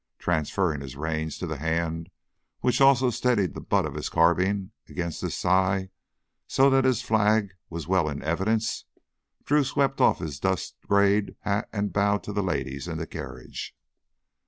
Transferring his reins to the hand which also steadied the butt of his carbine against his thigh so that his "flag" was well in evidence, Drew swept off his dust grayed hat and bowed to the ladies in the carriage.